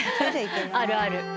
あるある。